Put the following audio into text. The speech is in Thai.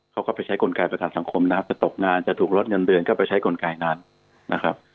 เขาก็ไปใช้กลไกประธานสังคมนะครับจะตกงานจะถูกลดเงินเดือนก็ไปใช้กลไกนั้นนะครับ